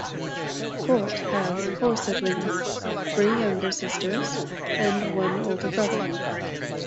Cort has four siblings-three younger sisters and one older brother.